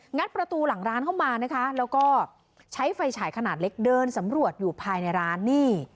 ประตูหลังร้านเข้ามานะคะแล้วก็ใช้ไฟฉายขนาดเล็กเดินสำรวจอยู่ภายในร้านนี่